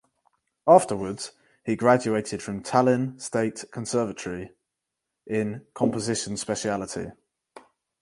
Afterwards he graduated from Tallinn State Conservatory in composition speciality.